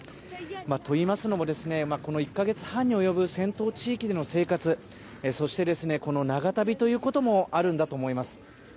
といいますのもこの１か月半に及ぶ戦闘地域での生活そして、この長旅ということもあるんだと思います。